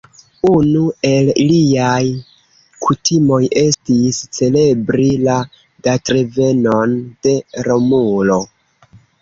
Unu el iliaj kutimoj estis celebri la datrevenon de Romulo.